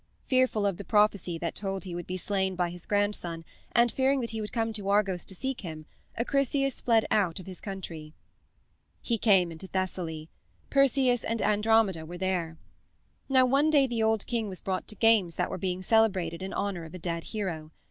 Fearful of the prophecy that told he would be slain by his grandson and fearing that he would come to Argos to seek him, Acrisius fled out of his country. He came into Thessaly. Perseus and Andromeda were there. Now, one day the old king was brought to games that were being celebrated in honor of a dead hero.